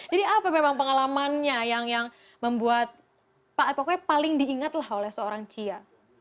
jadi apa memang pengalamannya yang membuat pokoknya paling diingatlah oleh seorang cia